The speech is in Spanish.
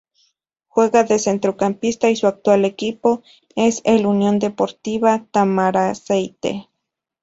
Juega de centrocampista, y su actual equipo es el Unión Deportiva Tamaraceite.